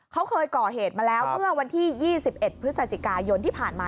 เขาเคยก่อเหตุมาแล้วเมื่อวันที่๒๑พฤศจิกายนที่ผ่านมา